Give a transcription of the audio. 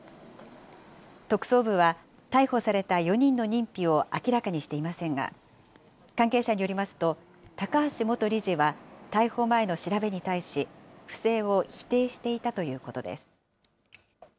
特捜部は、逮捕された４人の認否を明らかにしていませんが、関係者によりますと、高橋元理事は逮捕前の調べに対し、不正を否定していたということです。